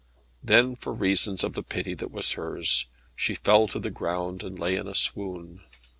Then for reason of the pity that was hers, she fell to the ground, and lay in a swoon.